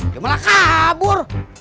dia malah kabur